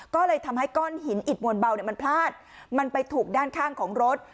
ก็เลยทำให้ก้อนหินอิดมวลเบามันพลาดมันไปถูกด้านข้างของรถ